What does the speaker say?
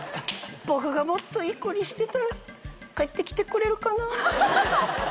僕がもっといい子にしてたら帰って来てくれるかな？